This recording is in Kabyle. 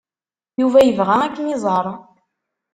Yuba yebɣa ad kem-iẓer.